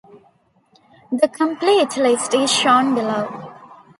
The complete list is shown below.